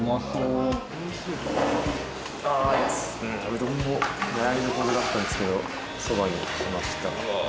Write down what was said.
うどんも悩みどころだったんですけどそばにしました。